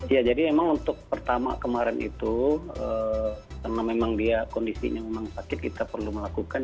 ya jadi memang untuk pertama kemarin itu karena memang dia kondisinya memang sakit kita perlu melakukan